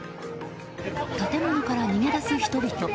建物から逃げ出す人々。